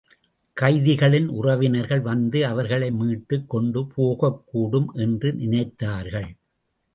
கைதிகளின் உறவினர்கள் வந்து அவர்களை மீட்டுக் கொண்டு போகக் கூடும் என்று நினைத்தார்கள்.